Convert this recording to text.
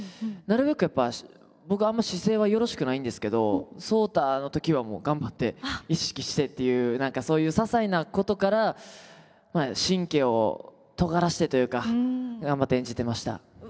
なるべくやっぱ僕あんま姿勢はよろしくないんですけど壮多の時はもう頑張って意識してっていう何かそういうささいなことから神経をとがらしてというか頑張って演じてました。